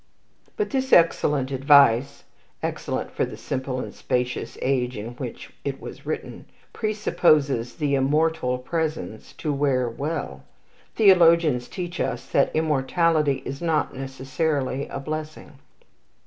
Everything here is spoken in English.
But this excellent advice excellent for the simple and spacious age in which it was written presupposes the "immortal" presents to wear well. Theologians teach us that immortality is not necessarily a blessing.